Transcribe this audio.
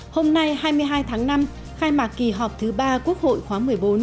hôm nay hai mươi hai tháng năm khai mạc kỳ họp thứ ba quốc hội khóa một mươi bốn